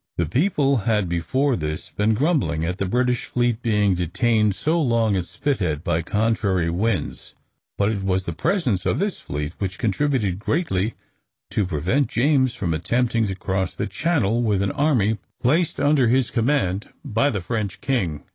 The people had before this been grumbling at the British fleet being detained so long at Spithead by contrary winds, but it was the presence of this fleet which contributed greatly to prevent James from attempting to cross the channel with an army placed under his command by the French king.